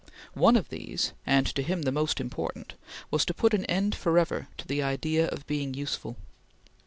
One of these, and to him the most important, was to put an end forever to the idea of being "useful."